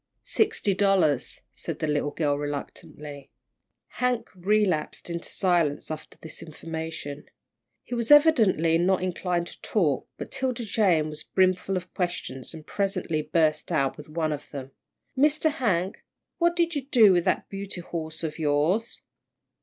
"Sixty dollars," said the little girl, reluctantly. Hank relapsed into silence after this information. He was evidently not inclined to talk, but 'Tilda Jane was brimful of questions, and presently burst out with one of them. "Mr. Hank, what did you do with that beauty horse of yours?"